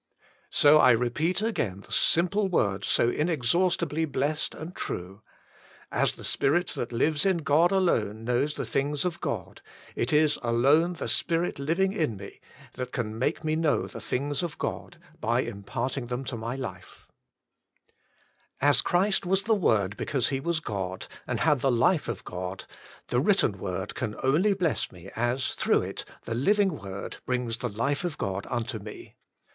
So I repeat again the simple words so inexhaus tibly blessed and true. As the Spirit that lives in God alone knows the things of God, It Is alone THE Spirit Living in Me^ That Can Make Me Know the Things of God by Impaeting Them TO My Life As Christ was the Word because He was God, and had the life of God, the written word can only bless me as, through it, the living Word The Life and the Light 95 brings the life of God unto me.